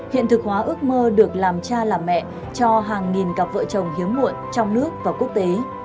hiện thực hóa ước mơ được làm cha làm mẹ cho hàng nghìn cặp vợ chồng hiếm muộn trong nước và quốc tế